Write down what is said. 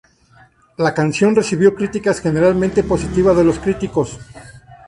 La canción recibió críticas generalmente positivas de los críticos.